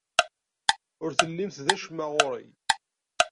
Ur tellimt d acemma ɣer-i.